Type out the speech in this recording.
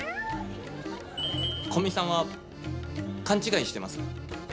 古見さんは勘違いしてます。